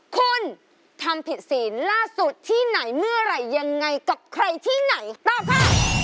คุณทำผิดศีลล่าสุดที่ไหนเมื่อไหร่ยังไงกับใครที่ไหนตอบค่ะ